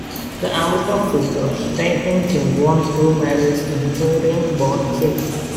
The American figure skating team won two medals in Turin, both silver.